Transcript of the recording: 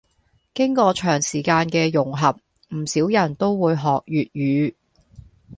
經過長時間嘅融合，唔少人都會學粵語